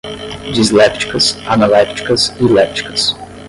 dislépticas, analépticas e lépticas